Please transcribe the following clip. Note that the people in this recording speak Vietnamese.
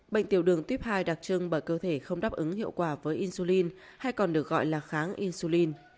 bệnh tiểu đường tuyếp hai đặc trưng bởi cơ thể không đáp ứng hiệu quả với insulin hay còn được gọi là kháng insulin